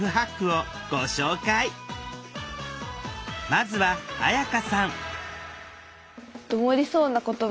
まずは彩夏さん。